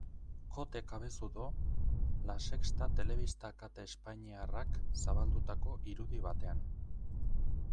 Kote Cabezudo, La Sexta telebista kate espainiarrak zabaldutako irudi batean.